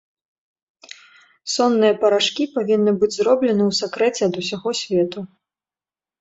Сонныя парашкі павінны быць зроблены ў сакрэце ад усяго свету.